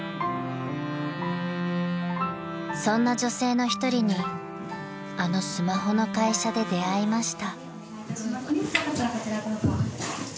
［そんな女性の一人にあのスマホの会社で出会いました］